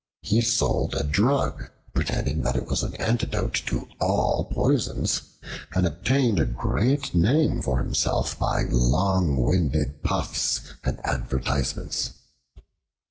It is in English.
He sold a drug, pretending that it was an antidote to all poisons, and obtained a great name for himself by long winded puffs and advertisements.